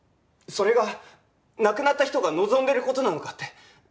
それが亡くなった人が望んでる事なのかって。